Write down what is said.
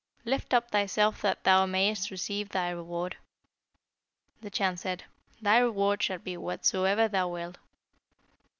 Lift up thyself that thou mayest receive thy reward.' The Chan said, 'Thy reward shall be whatsoever thou wilt.'